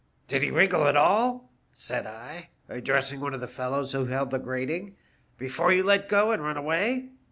' Did he wriggle at all ?' said I, addressing one of the fellows who held the grating, * before you let go and run away